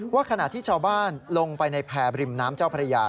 ขณะที่ชาวบ้านลงไปในแพรบริมน้ำเจ้าพระยา